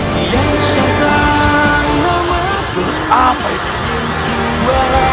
terima kasih guru